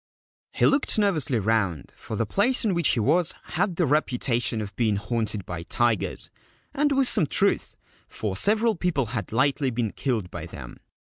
He looked nervously round, for the place in which he was had the reputation of being haunted by tigers, and with some truth, for several people had lately been killed by them.